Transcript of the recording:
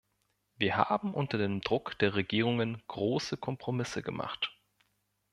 Wir haben unter dem Druck der Regierungen große Kompromisse gemacht.